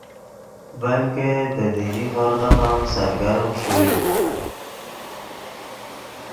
بلکہ دے دینی ہورغف ام سرگرم ݰوئے